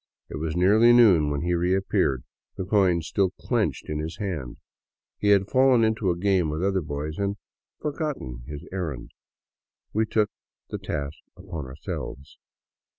It was nearly noon when he reappeared, the coin still in his clenched hand. He had fallen into a game with other boys and *' forgotten " his errand. We took the task upon ourselves.